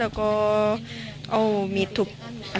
และก็มนับเฟ้อ